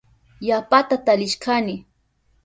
Yapata talishkani.